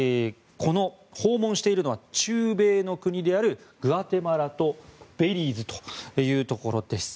訪問しているのは中米の国であるグアテマラとベリーズというところです。